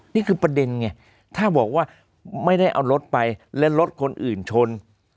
นี่คือประเด็นไงถ้าบอกว่าไม่ได้เอารถไปและรถคนอื่นชน